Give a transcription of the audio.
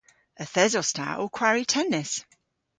Yth esos ta ow kwari tennis.